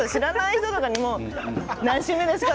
人生、何周目ですか？